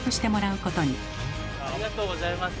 ありがとうございます。